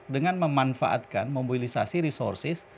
dengan memanfaatkan mobilisasi resources